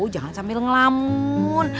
jangan sambil ngelamun